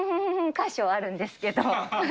か所あるんですけれども。